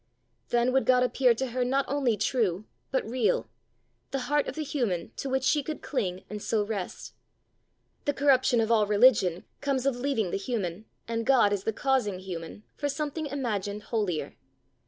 Then would God appear to her not only true, but real the heart of the human, to which she could cling, and so rest. The corruption of all religion comes of leaving the human, and God as the causing Human, for something imagined holier.